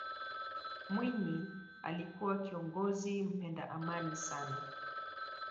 mwinyi alikuwa kiongozi mpenda amani sana